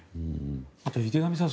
あと、池上さん